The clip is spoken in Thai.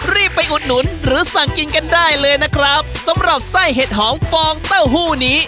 รีบไปอุดหนุนหรือสั่งกินกันได้เลยนะครับสำหรับไส้เห็ดหอมฟองเต้าหู้นี้